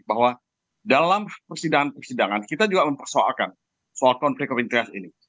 bahwa dalam persidangan persidangan kita juga mempersoalkan soal konflik of interest ini